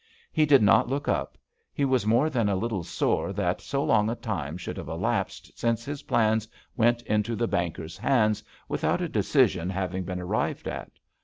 He did not look up. He was more than a little sore that so long a time should have elapsed since his plans went into the banker's hands without a' decision having been arrived at.